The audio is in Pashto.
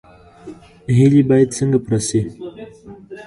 هیلې باید څنګه پوره شي؟